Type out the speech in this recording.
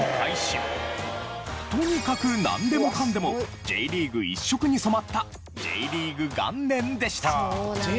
とにかくなんでもかんでもＪリーグ一色に染まったＪリーグ元年でした。